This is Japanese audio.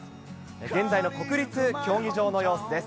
現在の国立競技場の様子です。